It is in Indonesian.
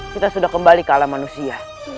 kita sudah kembali ke alam manusia